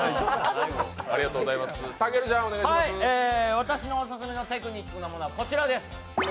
私のオススメのテクニックのものはこちらです。